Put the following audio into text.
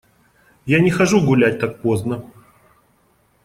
Я не хожу гулять так поздно.